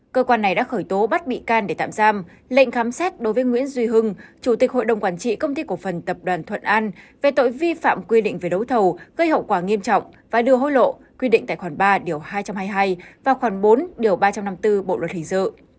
cơ quan này đã khởi tố bắt bị can để tạm giam lệnh khám xét đối với nguyễn duy hưng chủ tịch hội đồng quản trị công ty cổ phần tập đoàn thuận an về tội vi phạm quy định về đấu thầu gây hậu quả nghiêm trọng và đưa hối lộ quy định tài khoản ba điều hai trăm hai mươi hai và khoảng bốn điều ba trăm năm mươi bốn bộ luật hình sự